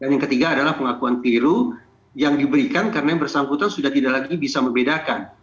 dan yang ketiga adalah pengakuan keliru yang diberikan karena yang bersangkutan sudah tidak lagi bisa membedakan